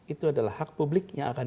itu adalah hak publik yang akan